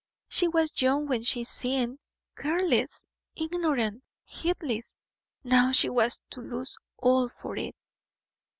She was young when she sinned careless, ignorant, heedless; now she was to lose all for it.